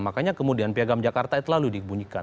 makanya kemudian piagam jakarta itu lalu dibunyikan